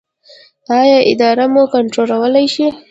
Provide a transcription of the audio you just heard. ایا ادرار مو کنټرولولی شئ؟